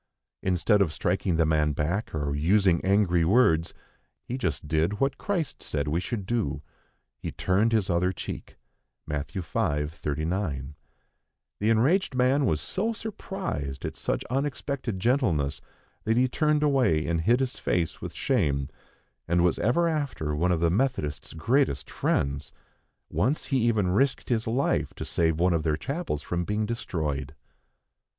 Instead of striking the man back or using angry words, he just did what Christ said we should do, he turned his other cheek (Matt. v. 39). The enraged man was so surprised at such unexpected gentleness, that he turned away and hid his face with shame, and was ever after one of the Methodists' greatest friends. Once he even risked his life to save one of their chapels from being destroyed.